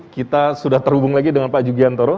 kita sudah terhubung lagi dengan pak jugi antoro